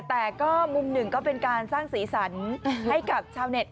แต่ก็มุมหนึ่งก็เป็นการสร้างสีสันให้กับชาวเน็ต